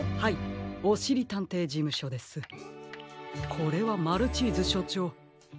これはマルチーズしょちょう。